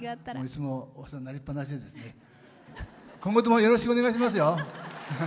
いつもお世話になりっぱなしで今後ともよろしくお願いしますよ。